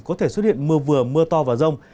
có thể xuất hiện mưa vừa mưa to và rông